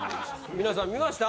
皆さん見ました？